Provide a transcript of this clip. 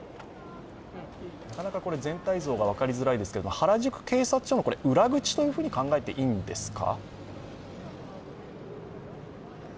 なかなか全体像が分かりづらいですけど、原宿警察署の裏口と考えていいんですか？